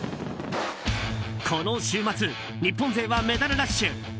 この週末、日本勢はメダルラッシュ。